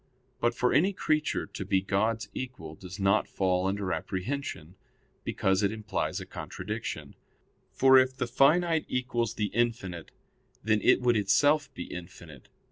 But for any creature to be God's equal does not fall under apprehension, because it implies a contradiction; for it the finite equals the infinite, then it would itself be infinite.